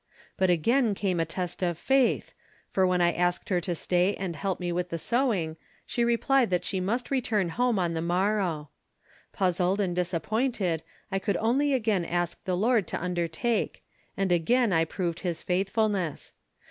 But again came a test of faith, for when I asked her to stay and help me with the sewing she replied that she must return home on the morrow. Puzzled and disappointed I could only again ask the Lord to undertake, and again I proved His faithfulness.